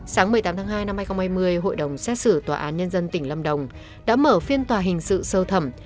sáng một mươi tám tháng hai năm hai nghìn hai mươi hội đồng xét xử tòa án nhân dân tỉnh lâm đồng đã mở phiên tòa hình sự sơ thẩm